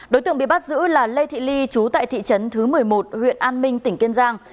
đối tượng bị bắt giữ là lê thị ly chú tại thị trấn thứ một mươi một huyện an minh tỉnh kiên giang